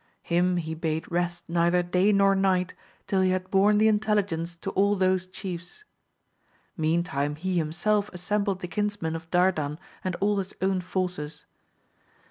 Him he bade rest neither day nor night till he had borne the intelligence to all those chiefs. Meantime he himself assembled the kinsmen of Dardan and all his own forces.